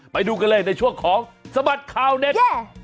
ไปดูกันเลยในช่วงของสบัดข่าวเด็ด